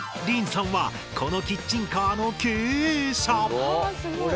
りんさんはこのキッチンカーの経営者！